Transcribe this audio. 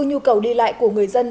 nhu cầu đi lại của người dân